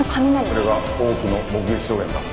それが多くの目撃証言だ。